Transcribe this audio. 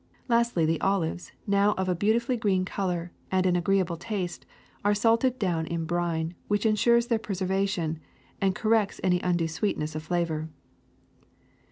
Lastly the olives, now of a beautifully green color and an agreeable taste, are salted down in brine, which insures their preservation and corrects any undue sweetness of flavor.